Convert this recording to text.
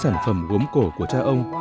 sản phẩm gốm cổ của cha ông